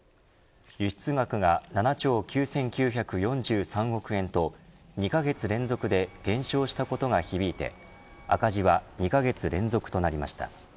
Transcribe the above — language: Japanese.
輸出額が７兆９９４３億円と２カ月連続で減少したことが響いて赤字は２カ月連続となりました。